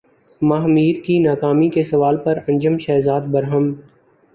ماہ میر کی ناکامی کے سوال پر انجم شہزاد برہم